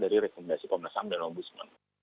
dari rekomendasi komnas ham dan ombudsman